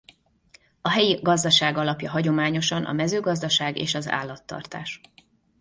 A helyi gazdaság alapja hagyományosan a mezőgazdaság és az állattartás.